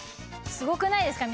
すごくないですか？